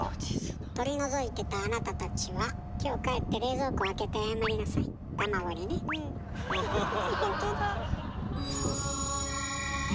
取り除いてたあなたたちは今日帰って冷蔵庫を開けてうんほんとだ。